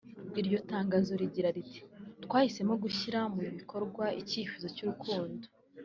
Iryo tangazo rigira riti “Twahisemo gushira mu bikorwa icyifuzo cy’urukiko